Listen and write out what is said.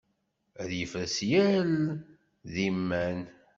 Ad yefres yal d iman.